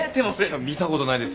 いや見たことないですよ